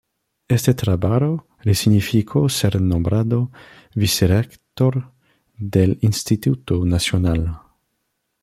Este trabajo le significó ser nombrado vicerrector del Instituto Nacional.